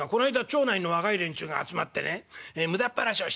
町内の若い連中が集まってね無駄っ話をしてたんですよ。